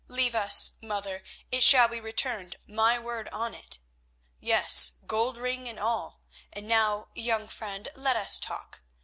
Leave us, mother. It shall be returned, my word on it. Yes, gold ring and all. And now, young friend, let us talk.